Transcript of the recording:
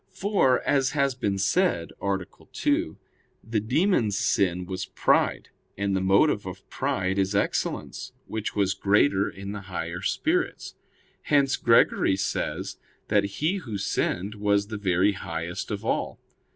For, as has been said (A. 2), the demons' sin was pride; and the motive of pride is excellence, which was greater in the higher spirits. Hence Gregory says that he who sinned was the very highest of all.